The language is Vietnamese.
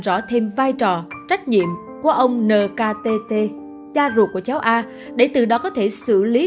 rõ thêm vai trò trách nhiệm của ông nkt cha ruột của cháu a để từ đó có thể xử lý